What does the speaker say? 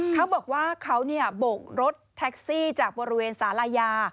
เขาบอกว่าเขาโบกรถแท็กซี่จากบริเวณสาลายา